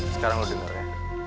sekarang lo denger ya